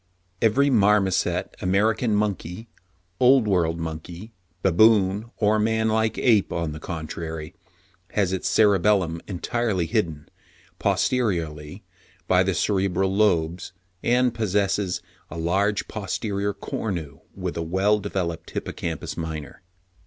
Every marmoset, American monkey, Old World monkey, baboon or manlike ape, on the contrary, has its cerebellum entirely hidden, posteriorly, by the cerebral lobes, and possesses a large posterior cornu with a well developed hippocampus minor."